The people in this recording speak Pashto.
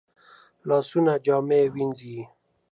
لاسونه جامې وینځي